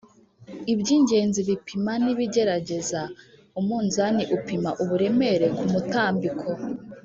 ibyingenzi bipima n’ibigerageza:-umunzani upima uburemere ku mutambiko